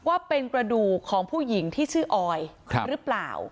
ว่าเป็นกระดูกของผู้หญิงที่ชื่อออยหรือเปล่า